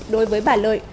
đối với bà lợi